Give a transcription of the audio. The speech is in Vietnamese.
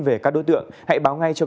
về các đối tượng hãy báo ngay cho